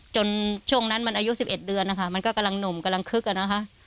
ช่วงนั้นมันอายุ๑๑เดือนนะคะมันก็กำลังหนุ่มกำลังคึกอะนะคะ